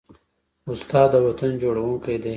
استاد د وطن جوړوونکی دی.